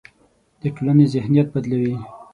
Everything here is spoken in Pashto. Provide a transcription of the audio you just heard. د ټولنې ذهنیت بدلوي.